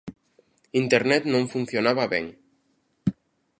Internet non funcionaba ben.